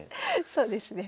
そうですね。